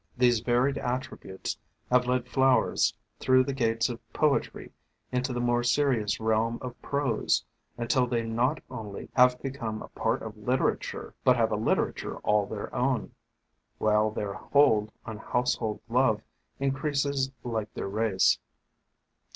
These varied attributes have led flowers through the gates of poetry into the more serious realm of prose, until they not only have become a part of literature, but have a literature all their own, while their hold on household love increases like their race.